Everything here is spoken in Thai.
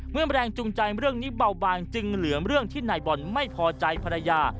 แรงจูงใจเรื่องนี้เบาบางจึงเหลือเรื่องที่นายบอลไม่พอใจภรรยา